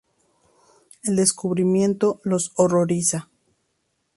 El descubrimiento los horroriza.